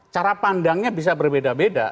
cara pandangnya bisa berbeda beda